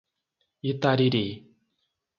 Itariri